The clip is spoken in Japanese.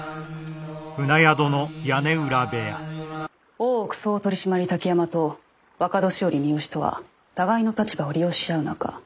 ・大奥総取締滝山と若年寄三好とは互いの立場を利用し合う中。